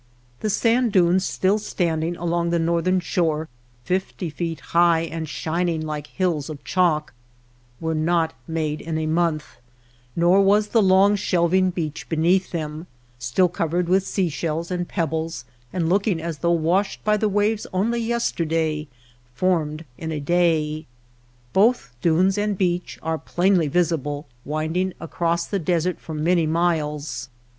The sand dunes still standing along the northern shore — fifty feet high and shining like hills of chalk — were not made in a month ; nor was the long shelving beach beneath them — still covered with sea shells and pebbles and looking as though washed by the waves only yesterday — formed in a day. Both dunes and beach are plainly visible winding across the desert for many miles.